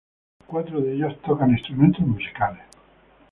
Cuatro de ellos tocan instrumentos musicales.